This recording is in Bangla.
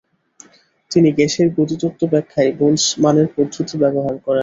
তিনি গ্যাসের গতি তত্ত্ব ব্যাখ্যায় বোলৎসমানের পদ্ধতি ব্যবহার করেন।